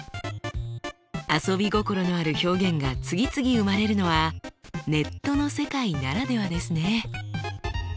遊び心のある表現が次々生まれるのはネットの世界ならではですね。